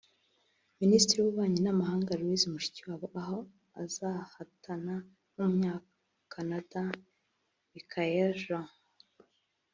Minisitiri w’Ububanyi n’amahanga Louise Mushikiwabo aho azahatana n’Umunya-Canada Michaëlle Jean